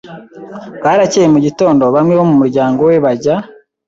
Bwaracyeye mu gitondo bamwe bo mu muryango we bajya